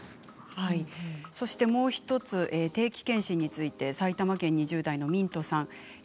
そしてもう１つ定期健診について埼玉県２０代の方です。